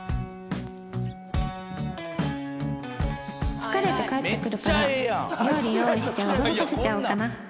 疲れて帰ってくるからお料理用意して驚かせちゃおうかな